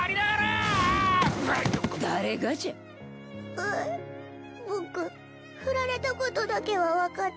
うう僕フラれたことだけは分かった。